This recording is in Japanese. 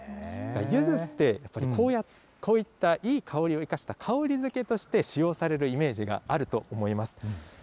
ゆずってこういったいい香りを生かした香りづけとして使用されるイメージがあると思います。